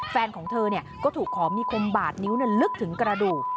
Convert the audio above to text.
แฟนของเธอก็ถูกขอมีคมบาดนิ้วลึกถึงกระดูก